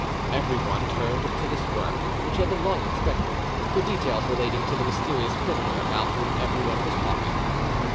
Everyone turned to this work, which had been long expected, for details relating to the mysterious prisoner about whom everyone was talking.